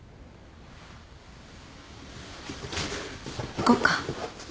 行こっか。